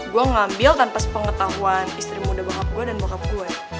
gue ngambil tanpa sepengetahuan istri muda bapak gue dan bapak gue